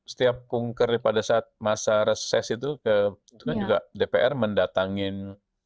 setiap kungker pada saat masa reses itu ke dpr mendatangin